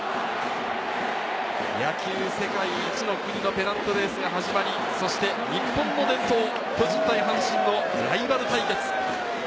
野球世界一の国のペナントレースが始まり、そして日本の伝統、巨人対阪神のライバル対決。